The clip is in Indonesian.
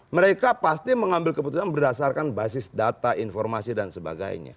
mereka pasti mengambil keputusan berdasarkan basis data informasi dan sebagainya